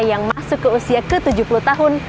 yang masuk ke usia ke tujuh puluh tahun